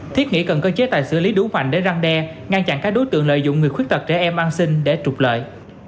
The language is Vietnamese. thiết nghĩ cần có chế tài xử lý đủ mạnh để răng đe ngăn chặn các đối tượng lợi dụng người khuyết tật trẻ em an sinh để trục lợi